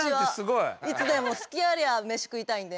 いつでも隙ありゃ飯食いたいんで。